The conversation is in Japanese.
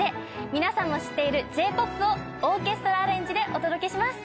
皆さんも知っているＪ−ＰＯＰをオーケストラアレンジでお届けします。